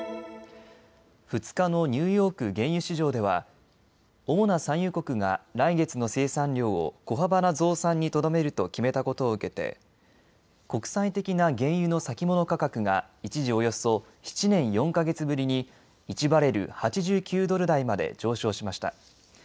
２日のニューヨーク原油市場では主な産油国が来月の生産量を小幅な増産にとどめると決めたことを受けて国際的な原油の先物価格が一時、およそ７年４か月ぶりに１バレル８９ドル台まで上昇しました。